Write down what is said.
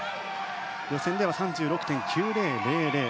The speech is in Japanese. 予選では３６．９０００。